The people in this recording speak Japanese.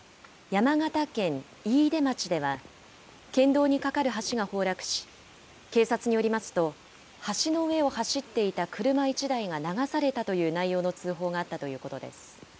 山形県飯豊町では県道にかかる橋が崩落し警察によりますと橋の上を走っていた車１台が流されたという内容の通報があったということです。